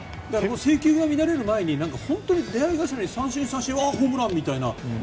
制球が乱れる前に出会い頭に三振、三振ホームランみたいな。